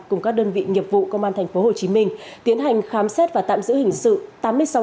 cùng các đơn vị nghiệp vụ công an tp hcm tiến hành khám xét và tạm giữ hình sự